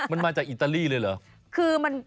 มันมาจากอิตาลีเลยเหรอ